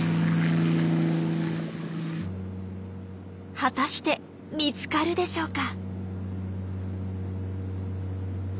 果たして見つかるでしょうか？